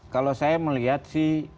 kalau saya melihat sih